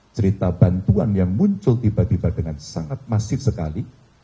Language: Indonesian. cerita bantuan yang muncul tiba tiba dengan sangat masif sekali